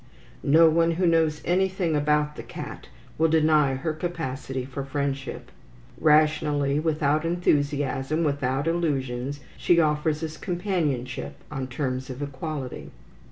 No one who knows anything about the cat will deny her capacity for friendship. Rationally, without enthusiasm, without illusions, she offers us companionship on terms of equality.